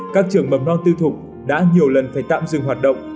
các trường mầm non tư thục đã nhiều lần phải tạm dừng hoạt động